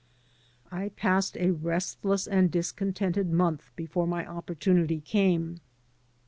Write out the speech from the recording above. I passed a restless and discontented month before my opportunity came.